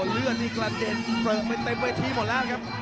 เลือดนี่กระเด็นเสิร์ฟไปเต็มเวทีหมดแล้วครับ